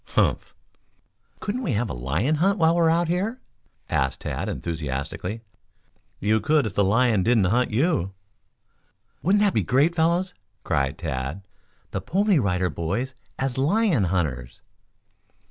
"Humph!" "Couldn't we have a lion hunt while we are out here?" asked Tad enthusiastically. "You could if the lion didn't hunt you." "Wouldn't that be great, fellows?" cried Tad. "The Pony Rider Boys as lion hunters."